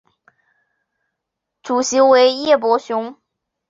主席为叶柏雄。